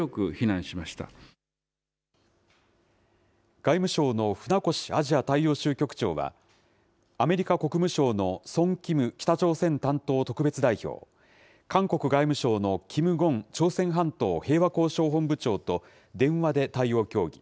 外務省の船越アジア大洋州局長は、アメリカ国務省のソン・キム北朝鮮担当特別代表、韓国外務省のキム・ゴン朝鮮半島平和交渉本部長と電話で対応を協議。